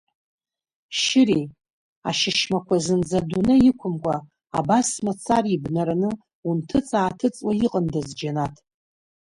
Шьыри, ашьышьмақәа зынӡа адунеи иқәымкәа, абас мацара ибнараны унҭыҵ-ааҭыҵуа иҟандаз џьанаҭ.